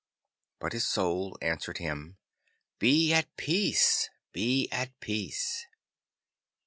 But his Soul answered him, 'Be at peace, be at peace.